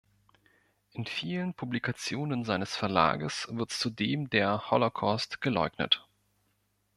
In vielen Publikationen seines Verlages wird zudem der Holocaust geleugnet.